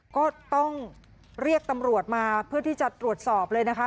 ก็ต้องเรียกตำรวจมาเพื่อที่จะตรวจสอบเลยนะคะ